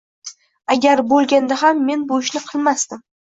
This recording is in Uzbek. Agar bo’lganda ham men bu ishni qilmasdim.